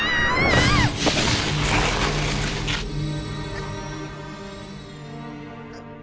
うっ！